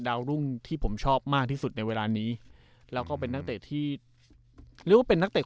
รุ่งที่ผมชอบมากที่สุดในเวลานี้แล้วก็เป็นนักเตะที่เรียกว่าเป็นนักเตะ